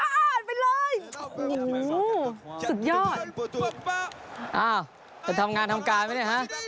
อ้าวจะทำงานทำการไหมนี่ฮะ